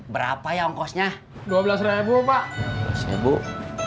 berapa ya ongkosnya dua belas pak